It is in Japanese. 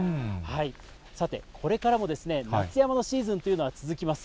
さて、これからも夏山のシーズンというのは続きます。